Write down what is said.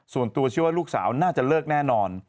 ส่วนตัวเชื่อว่าลูกสาวน่าจะเลิกแน่นอน